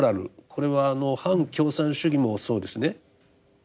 これは反共産主義もそうですね。